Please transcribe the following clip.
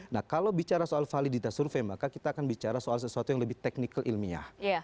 nah kalau bicara soal validitas survei maka kita akan bicara soal sesuatu yang lebih teknikal ilmiah